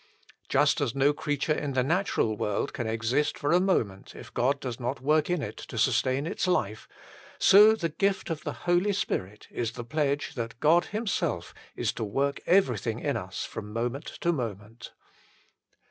Just as no creature in the natural world can exist for a moment if God does not work in it to sustain its life, so the gift of the Holy Spirit is the pledge that God Himself is to work everything in us from moment to moment.